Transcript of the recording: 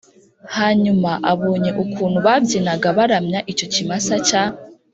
Hanyuma abonye ukuntu babyinaga baramya icyo kimasa cya